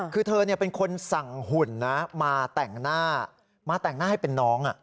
คือเธอเป็นคนสั่งหุ่นนะมาแต่งหน้ามาแต่งหน้าให้เป็นน้อง